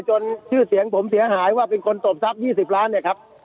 ชื่อเสียงผมเสียหายว่าเป็นคนตบทรัพย์๒๐ล้านเนี่ยครับ